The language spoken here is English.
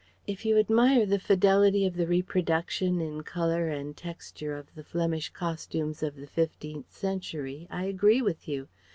If you admire the fidelity of the reproduction in colour and texture of the Flemish costumes of the fifteenth century, I agree with you.